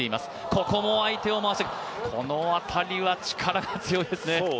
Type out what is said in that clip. ここも相手を回して、この辺りは力が強いですね。